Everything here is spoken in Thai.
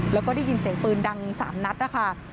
แล้วก็ได้ยินเสียงปืนดัง๓นัดนะคะ